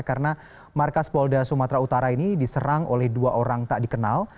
karena markas polda sumatera utara ini diserang oleh dua orang tak dikenal